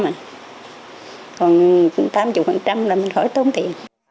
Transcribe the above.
còn cũng tám chục phần trăm là mình hỏi tốn tiền